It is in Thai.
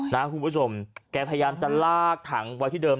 นะครับคุณผู้ชมแกพยายามทางลากถังไว้ที่เดิม